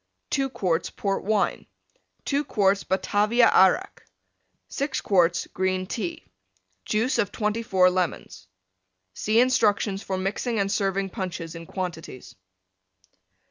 2 quarts Port Wine. 2 quarts Batavia Arrack. 6 quarts green Tea. Juice of 24 Lemons. (See instructions for mixing and serving Punches in quantities.)